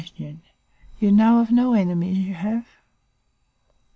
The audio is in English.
You know of no enemies you have?